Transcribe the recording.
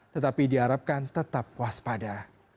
tetapi diharapkan tetap waspada